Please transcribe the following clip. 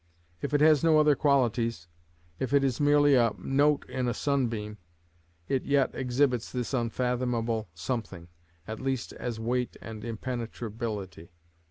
If it has no other qualities, if it is merely a mote in a sunbeam, it yet exhibits this unfathomable something, at least as weight and impenetrability.